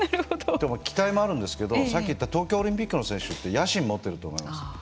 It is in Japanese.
期待もあるんですけれどもさっき言った東京オリンピックの選手って野心を持っていると思います。